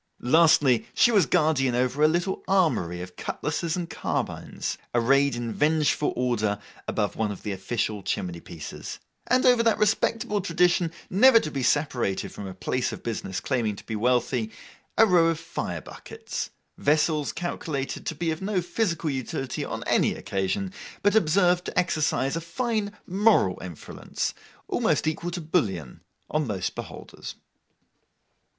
Lastly, she was guardian over a little armoury of cutlasses and carbines, arrayed in vengeful order above one of the official chimney pieces; and over that respectable tradition never to be separated from a place of business claiming to be wealthy—a row of fire buckets—vessels calculated to be of no physical utility on any occasion, but observed to exercise a fine moral influence, almost equal to bullion, on most beholders.